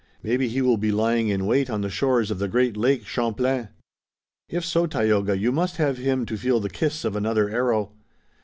Maybe he will be lying in wait on the shores of the great lake, Champlain." "If so, Tayoga, you must have him to feel the kiss of another arrow."